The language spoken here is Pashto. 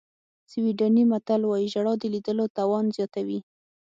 سویډني متل وایي ژړا د لیدلو توان زیاتوي.